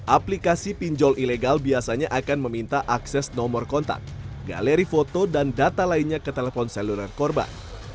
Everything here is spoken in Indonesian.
aplikasi pinjol ilegal biasanya akan meminta akses nomor kontak galeri foto dan data lainnya ke telepon seluler korban